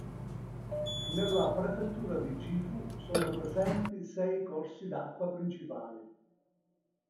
Nella prefettura di Gifu sono presenti sei corsi d'acqua principali.